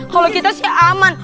kalau kita sih aman